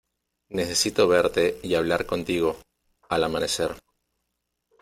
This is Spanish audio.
necesito verte y hablar contigo. al amanecer .